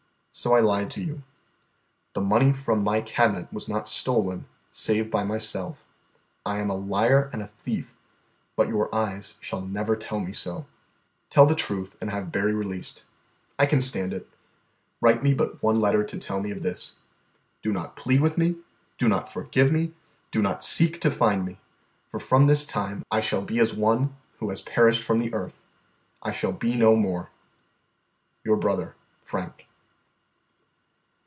So I lied to you. The money from my cabinet was not stolen save by myself. I am a liar and a thief, but your eyes shall never tell me so. "Tell the truth and have Berry released. I can stand it. Write me but one letter to tell me of this. Do not plead with me, do not forgive me, do not seek to find me, for from this time I shall be as one who has perished from the earth; I shall be no more. "Your brother, FRANK."